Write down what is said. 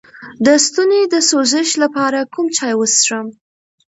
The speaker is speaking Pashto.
د ستوني د سوزش لپاره کوم چای وڅښم؟